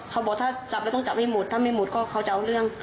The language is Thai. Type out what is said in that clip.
เขาบอกถ้าจับแล้วต้องจับให้หมดถ้าไม่หมดก็เขาจะเอาเรื่อง